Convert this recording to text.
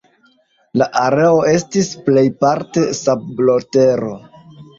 La areo estis plejparte sablotero.